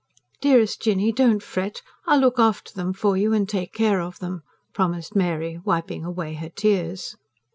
"Dearest Jinny, don't fret. I'll look after them for you, and take care of them," promised Mary wiping away her tears.